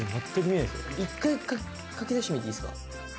一回かき出してみていいですか。